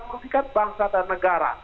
merugikan bangsa dan negara